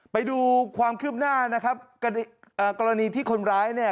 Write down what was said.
ไปดูความคืบหน้านะครับกรณีที่คนร้ายเนี่ย